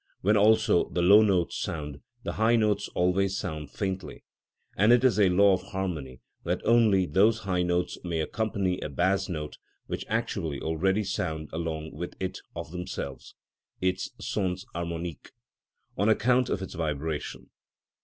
When, also, the low notes sound, the high notes always sound faintly, and it is a law of harmony that only those high notes may accompany a bass note which actually already sound along with it of themselves (its sons harmoniques) on account of its vibration.